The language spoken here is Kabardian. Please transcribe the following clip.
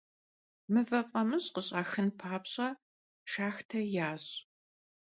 Mıve f'amış' khış'axın papş'e, şşaxte yaş'.